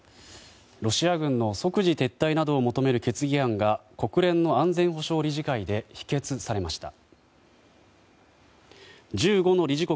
ロシア軍の即時撤退などを求める決議案が国連の安全保障理事会で否決されました。